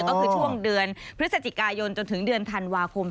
ก็คือช่วงเดือนพฤศจิกายนจนถึงเดือนธันวาคม